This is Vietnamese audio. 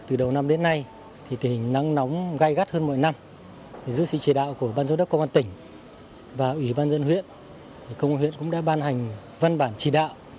ủy ban nhân dân huyện cũng đã ban hành văn bản trì đạo